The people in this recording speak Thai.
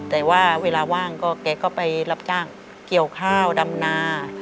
แต่ว่าเวลาว่างก็แกก็ไปรับจ้างเกี่ยวข้าวดำนา